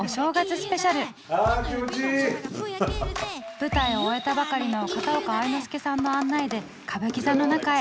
舞台を終えたばかりの片岡愛之助さんの案内で歌舞伎座の中へ。